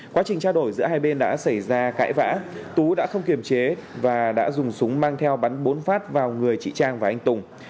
quá trình trao đổi giữa hai bên đã xảy ra cãi vã tú đã không kiềm chế và đã dùng súng mang theo bắn bốn phát vào người chị trang và anh tùng